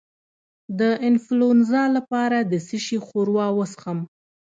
د انفلونزا لپاره د څه شي ښوروا وڅښم؟